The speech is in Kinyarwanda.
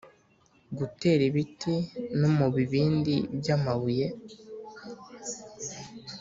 Gutera ibiti no mu bibindi by’ amabuye